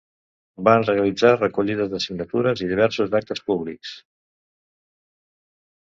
Van realitzar recollides de signatures i diversos actes públics.